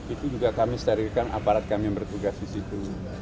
itu juga kami sterilkan aparat kami yang bertugas disitu